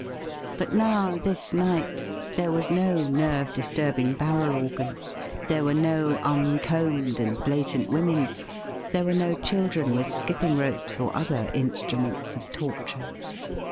But now, this night, there was no nerve disturbing barrel organ ; there were no uncombed and blatant women; there were no children with skipping ropes or other instruments of torture.